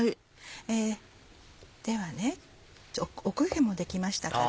ではお焦げも出来ましたから。